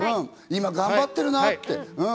今頑張ってるなぁって。